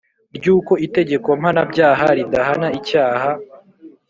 Ry’uko itegeko mpanabyaha ridahana icyaha